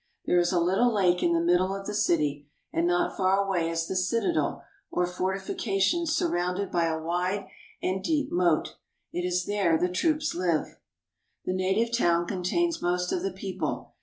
There is a little lake in the middle of the city, and not far away is the citadel or fortification surrounded by a wide and deep moat. It is there the troops live. The native town contains most of the people.